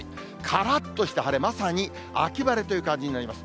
からっとした晴れ、まさに秋晴れという感じになります。